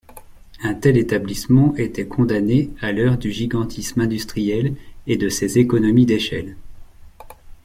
Un tel établissement était condamné à l'heure du gigantisme industriel et des économies d'échelle.